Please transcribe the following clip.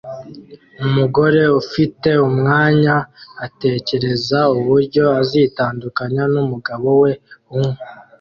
Umugore ufite umwanya atekereza uburyo azitandukanya numugabo we unywa